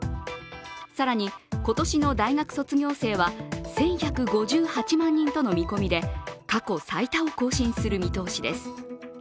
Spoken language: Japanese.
更に今年の大学卒業生は１１５８万人との見込みで過去最多を更新する見通しです。